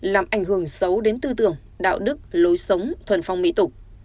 làm ảnh hưởng xấu đến tư tưởng đạo đức lối sống thuần phong mỹ tục